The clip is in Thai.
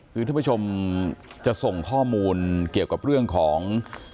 คือท่านผู้ชมจะส่งข้อมูลเกี่ยวกับเรื่องของ